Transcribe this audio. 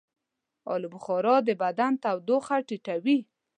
آلوبخارا د بدن تودوخه ټیټوي.